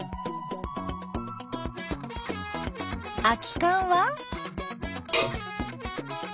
空きかんは？